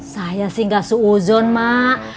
saya sih gak seuzon mak